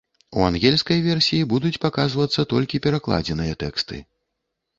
У ангельскай версіі будуць паказвацца толькі перакладзеныя тэксты.